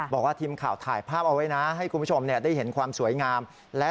บอกว่าทีมข่าวถ่ายภาพเอาไว้นะให้คุณผู้ชมได้เห็นความสวยงาม